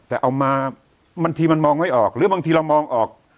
แต่เอามาบางทีมันมองไม่ออกหรือบางทีเรามองออก